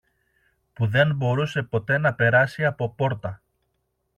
που δεν μπορούσε ποτέ να περάσει από πόρτα